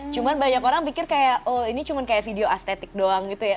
cuma banyak orang pikir kayak oh ini cuma kayak video estetik doang gitu ya